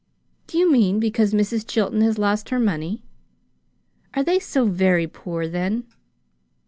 "Do you mean because Mrs. Chilton has lost her money? Are they so very poor, then?"